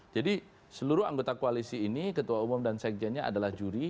seluruh anggota koalisi ini ketua umum dan sekjennya adalah juri